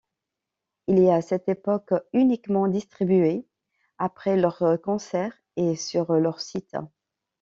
Il est à cette époque uniquement distribué après leurs concerts et sur leur site.